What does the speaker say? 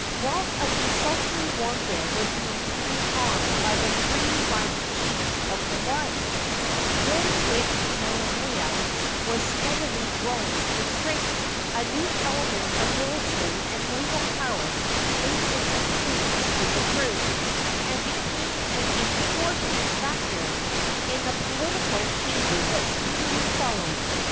While a desultory warfare was being carried on by the three rival chiefs of Hawaii, during which Kamehameha was steadily growing in strength, a new element of military and naval power made its appearance in the group, and became an important factor in the political changes that speedily followed.